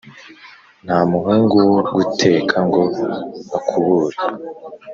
Nta muhungu wo guteka ngo akubure.”